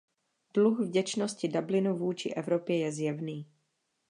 Dluh vděčnosti Dublinu vůči Evropě je zjevný.